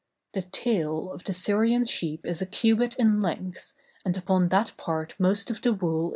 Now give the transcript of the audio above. The tail of the Syrian sheep is a cubit in length, and upon that part most of the wool is found.